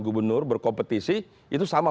gubernur berkompetisi itu sama